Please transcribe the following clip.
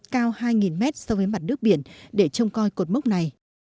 cao hai mét so với mặt nước biển để trông coi cột mốc này